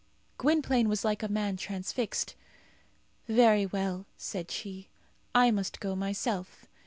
Gwynplaine was like a man transfixed. "Very well," said she; "I must go myself.